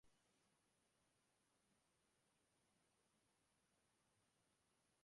— Gap bunday, paxan, — dedi.